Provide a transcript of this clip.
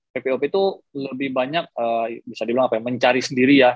ppop itu lebih banyak bisa dibilang apa ya mencari sendiri ya